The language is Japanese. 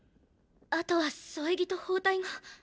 後は添え木と包帯が。